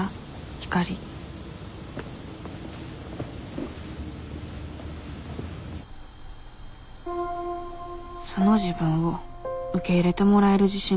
光莉素の自分を受け入れてもらえる自信がない。